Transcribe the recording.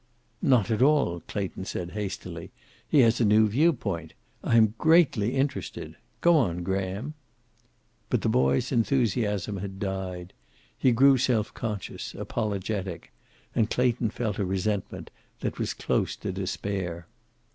"Not at all," Clayton said, hastily. "He has a new viewpoint. I am greatly interested. Go on, Graham." But the boy's enthusiasm had died. He grew self conscious, apologetic. And Clayton felt a resentment that was close to despair.